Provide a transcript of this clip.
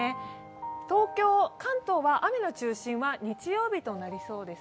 東京、関東は雨の中心は日曜日となりそうです。